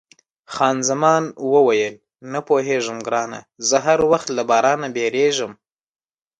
خان زمان وویل، نه پوهېږم ګرانه، زه هر وخت له بارانه بیریږم.